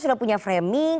sudah punya framing